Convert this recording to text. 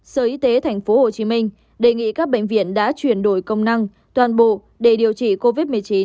sở y tế tp hcm đề nghị các bệnh viện đã chuyển đổi công năng toàn bộ để điều trị covid một mươi chín